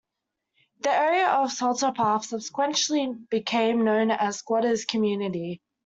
The area of Salter Path subsequently became known as a squatter's community.